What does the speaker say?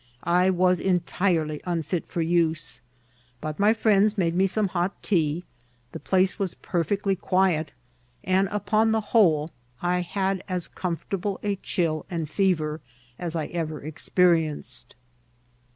I vras en tirely unfit for use ; but my friends made me some hot tea ; the place was perfectly quiet ; and, upcm the whole, I had as comfortable a chill and fever as I ever expe rienced.